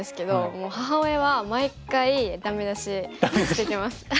もう母親は毎回ダメ出ししてきます。